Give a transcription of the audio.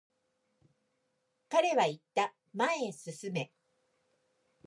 彼は言った、前へ進め。